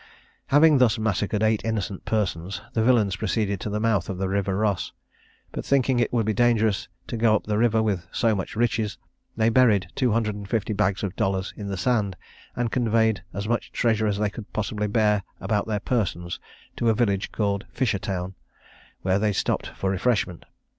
Having thus massacred eight innocent persons, the villains proceeded to the mouth of the river Ross; but thinking it would be dangerous to go up the river with so much riches, they buried two hundred and fifty bags of dollars in the sand, and conveyed as much treasure as they could possibly bear about their persons to a village called Fishertown, where they stopped for refreshment.